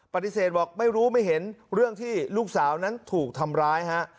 ปฏิเสธบอกไม่รู้ไม่เห็นเรื่องที่ลูกสาวนั้นถูกทำร้ายฮะ